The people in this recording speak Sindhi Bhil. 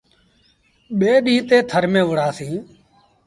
ٻي ڏيٚݩهݩ تي ٿر ميݩ وُهڙآ سيٚݩ۔